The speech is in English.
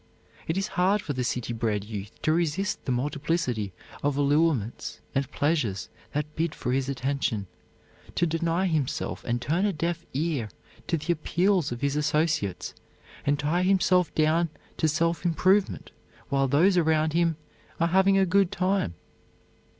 It is hard for the city bred youth to resist the multiplicity of allurements and pleasures that bid for his attention, to deny himself and turn a deaf ear to the appeals of his associates and tie himself down to self improvement while those around him are having a good time.